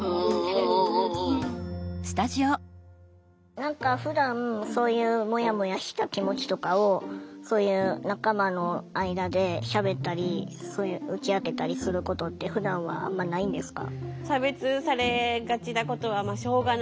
何かふだんそういうもやもやした気持ちとかをそういう仲間の間でしゃべったり打ち明けたりすることってふだんはあんまないんですか？